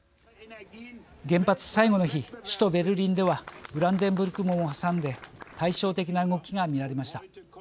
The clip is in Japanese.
原発最後の日首都ベルリンではブランデンブルク門を挟んで対照的な動きが見られました。